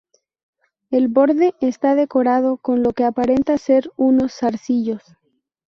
El borde está decorado con lo que aparenta ser unos zarcillos.